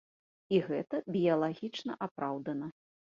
І гэта біялагічна апраўдана.